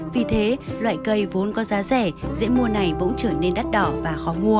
vì thế loại cây vốn có giá rẻ dễ mua này bỗng trở nên đắt đỏ và khó mua